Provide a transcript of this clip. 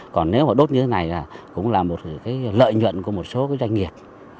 đốt như thế này cũng là một lợi nhuận của một số doanh nghiệp